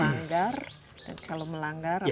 kalau melanggar apakah ada sanksinya